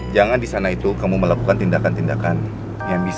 jangan di sana itu kamu melakukan tindakan tindakan yang bisa